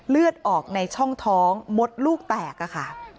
เลือดออกในช่องท้องมดลูกแตกค่ะ